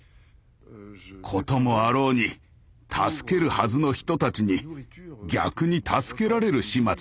こともあろうに助けるはずの人たちに逆に助けられる始末でした。